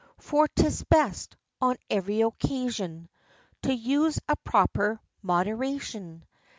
For 'tis best, on every occasion, To use a proper moderation.